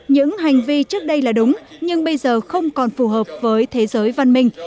những hành vi trước đây là đúng nhưng bây giờ không còn phù hợp với thế giới văn minh